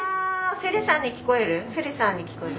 フェレさんに聞こえる？